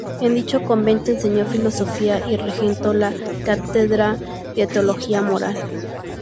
En dicho convento enseño Filosofía y regentó la Cátedra de Teología Moral.